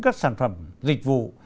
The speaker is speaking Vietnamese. các sản phẩm dịch vụ